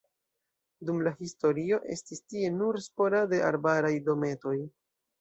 Dum la historio estis tie nur sporade arbaraj dometoj.